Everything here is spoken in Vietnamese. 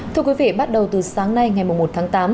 thưa quý vị bắt đầu từ sáng nay ngày một tháng tám